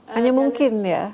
hanya mungkin ya